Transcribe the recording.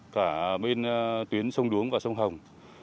cả bên tuyến sông đúng và sông hồng